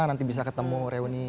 nanti bisa ketemu reuni